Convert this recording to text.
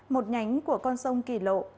một nhánh của con sông nhân mỹ